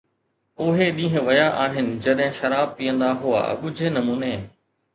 اهي ڏينهن ويا آهن جڏهن شراب پيئندا هئا ڳجهي نموني